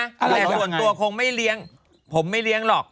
อะไรเหรอยังไงแหละส่วนตัวคงไม่เลี้ยงผมไม่เลี้ยงหรอก